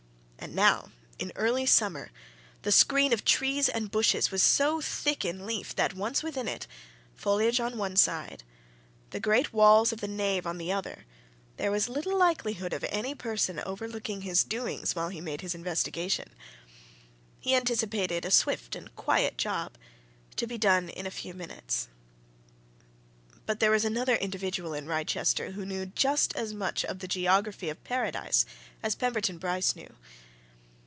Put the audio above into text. And now, in early summer, the screen of trees and bushes was so thick in leaf, that once within it, foliage on one side, the great walls of the nave on the other, there was little likelihood of any person overlooking his doings while he made his investigation. He anticipated a swift and quiet job, to be done in a few minutes. But there was another individual in Wrychester who knew just as much of the geography of Paradise as Pemberton Bryce knew.